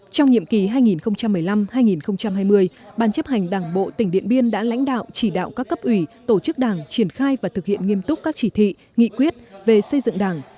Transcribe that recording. trong nhiệm kỳ hai nghìn một mươi năm hai nghìn hai mươi ban chấp hành đảng bộ tỉnh điện biên đã lãnh đạo chỉ đạo các cấp ủy tổ chức đảng triển khai và thực hiện nghiêm túc các chỉ thị nghị quyết về xây dựng đảng